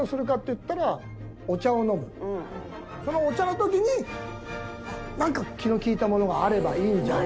そのお茶の時になんか気の利いたものがあればいいんじゃないかな。